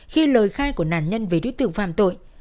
khi lời khai của nạn nhân về đối tượng phạm tội